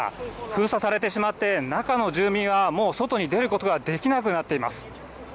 封鎖されてしまって、中の住民はもう、外に出ることができなくなっています。